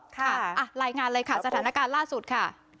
รายงานเลยค่ะสถานการณ์ล่าสุดค่ะ